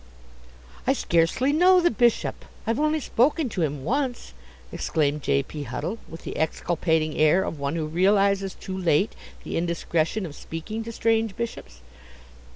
"I scarcely know the Bishop; I've only spoken to him once," exclaimed J. P. Huddle, with the exculpating air of one who realizes too late the indiscretion of speaking to strange Bishops.